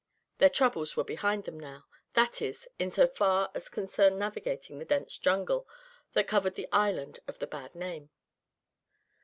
Their troubles were behind them now; that is, insofar as they concerned navigating the dense jungle that covered the island of the bad name.